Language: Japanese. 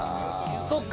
そっか。